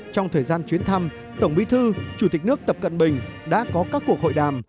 trong thời gian chuyến thăm tổng bí thư chủ tịch nước tập cận bình đã có các cuộc hội đàm